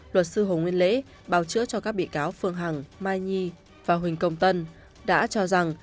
luật sư hồ nguyên lễ bào chữa cho các bị cáo phương hằng mai nhi và huỳnh công tân đã cho rằng